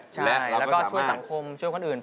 ใช่แล้วก็ช่วยสังคมช่วยคนอื่น